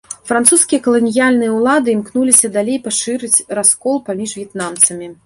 Французскія каланіяльныя ўлады імкнуліся далей пашырыць раскол паміж в'етнамцамі.